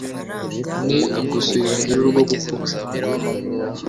ni ugusurira nyirurugo gupfusha